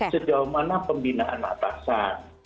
sejauh mana pembinaan atasan